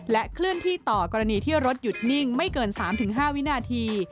เคลื่อนที่ต่อกรณีที่รถหยุดนิ่งไม่เกิน๓๕วินาที